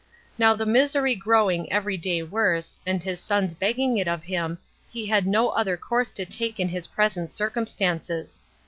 Now the misery growing every day worse, and his sons begging it of him, he had no other course to take in his present circumstances.